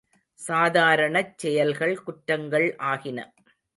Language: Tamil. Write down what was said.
சாதாரணச் செயல்கள் குற்றங்கள் ஆயின.